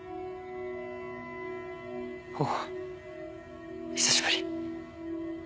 おお久しぶり。